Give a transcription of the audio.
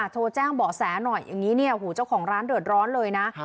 โทรแจ้งเบาะแสหน่อยอย่างนี้เนี่ยหูเจ้าของร้านเดือดร้อนเลยนะ